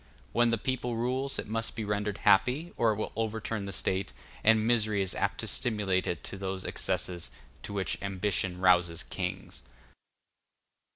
When the people rules, it must be rendered happy, or it will overturn the State, and misery is apt to stimulate it to those excesses to which ambition rouses kings.